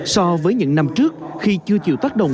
so với những năm trước khi chưa chịu tác động